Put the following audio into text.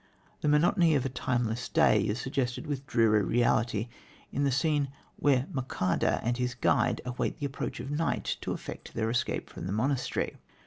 The monotony of a "timeless day" is suggested with dreary reality in the scene where Monçada and his guide await the approach of night to effect their escape from the monastery.